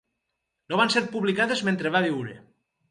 No van ser publicades mentre va viure.